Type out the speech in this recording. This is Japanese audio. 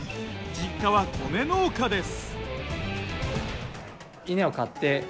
実家は米農家です。